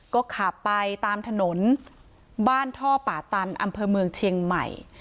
ก็ขับไปตามถนนบ้านท่อป่าตันอำเภอเมืองเชียงใหม่